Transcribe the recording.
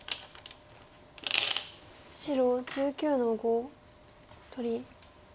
白１９の五取り。